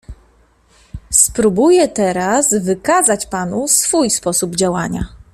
"Spróbuję teraz wykazać panu swój sposób działania."